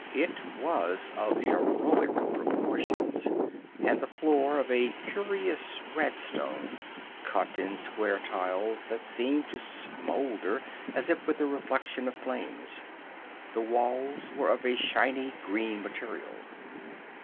It was of heroic proportions, and the floor of a curious red stone, cut in square tiles, that seemed to smolder as if with the reflection of flames. The walls were of a shiny green material.